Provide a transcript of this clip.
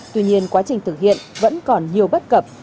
tuy nhiên quá trình thực hiện vẫn còn nhiều bất cập